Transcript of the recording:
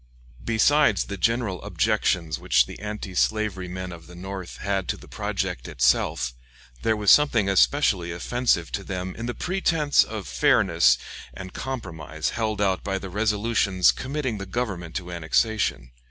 Besides the general objections which the anti slavery men of the North had to the project itself, there was something especially offensive to them in the pretense of fairness and compromise held out by the resolutions committing the Government to annexation.